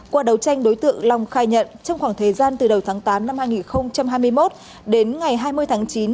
qua đấu tranh đối tượng long khai nhận trong khoảng thời gian từ đầu tháng tám năm hai nghìn hai mươi một đến ngày hai mươi tháng chín